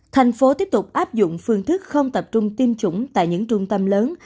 thành phố tiếp tục áp dụng phương thức không tập trung tiêm chủng tại những trung tâm lớn